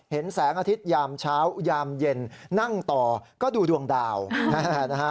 แสงอาทิตยามเช้ายามเย็นนั่งต่อก็ดูดวงดาวนะฮะ